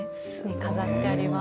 飾ってあります。